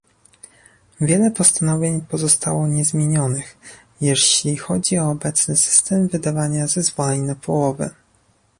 Wiele postanowień pozostało niezmienionych, jeśli chodzi o obecny system wydawania zezwoleń na połowy